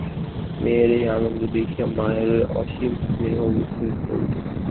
মেয়ের এই আনন্দ দেখিয়া মায়ের অসীম স্নেহ উথলিয়া উঠিল।